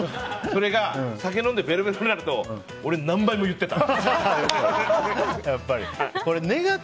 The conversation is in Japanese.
それが、酒飲んでベロベロになると俺、何倍も言ってた。